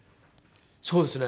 そうですね。